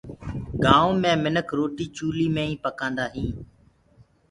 گآئونٚ مي مِنک روٽي چوليٚ مي ئي پڪآندآ هينٚ